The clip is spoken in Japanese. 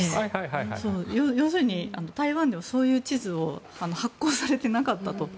要するに、台湾ではそういう地図が発行されてなかったと。